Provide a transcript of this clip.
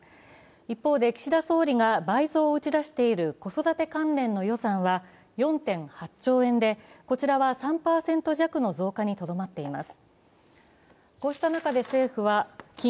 一方で岸田総理が倍増を打ち出している子育て関連の予算は４．８兆円で、こちらは３％弱の増加にとどまっています。